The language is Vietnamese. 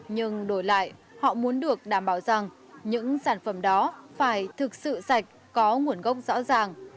nhưng đổi lại họ muốn được đảm bảo rằng những sản phẩm đó phải thực sự sạch có nguồn gốc rõ ràng